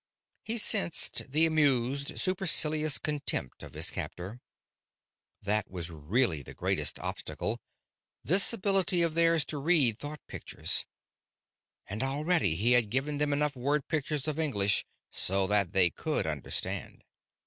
He sensed the amused, supercilious contempt of his captor. That was really the greatest obstacle, this ability of theirs to read thought pictures. And already he had given them enough word pictures of English so that they could understand....